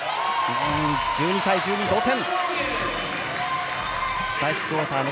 １２対１２、同点。